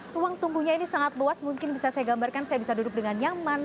ruang tunggunya ini sangat luas mungkin bisa saya gambarkan saya bisa duduk dengan nyaman